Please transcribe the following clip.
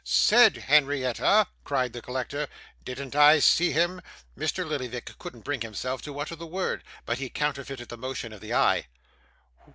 'Said, Henrietta!' cried the collector. 'Didn't I see him ' Mr Lillyvick couldn't bring himself to utter the word, but he counterfeited the motion of the eye.